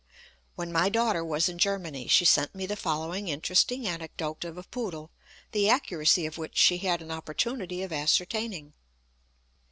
When my daughter was in Germany, she sent me the following interesting anecdote of a poodle, the accuracy of which she had an opportunity of ascertaining.